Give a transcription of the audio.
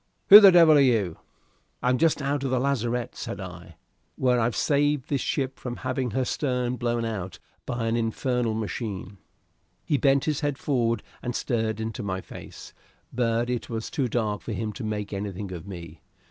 who the devil are you?" "I'm just out of your lazarette," said I, "where I've saved this ship from having her stern blown out by an infernal machine!" He bent his head forward and stared into my face, but it was too dark for him to make anything of me.